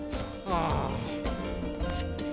ああ。